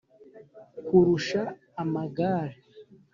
Nkurusha amagare,